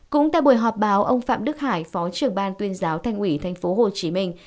cũng tại buổi họp báo ông phạm đức hải phó trưởng ban tuyên giáo thành ủy thành phố hồ chí minh